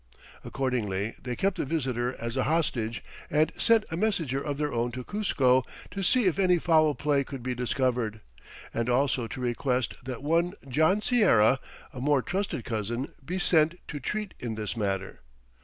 Accordingly, they kept the visitor as a hostage and sent a messenger of their own to Cuzco to see if any foul play could be discovered, and also to request that one John Sierra, a more trusted cousin, be sent to treat in this matter.